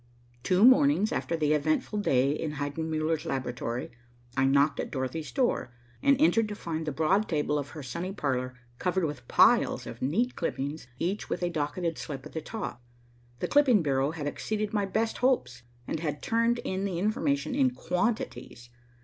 Two mornings after the eventful day in Heidenmuller's laboratory, I knocked at Dorothy's door, and entered to find the broad table of her sunny parlor covered with piles of neat clippings, each with a docketed slip at the top. The clipping bureau had exceeded my best hopes, and had turned in the information in quantities.